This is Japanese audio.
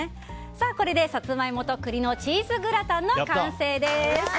これでサツマイモと栗のチーズグラタンの完成です！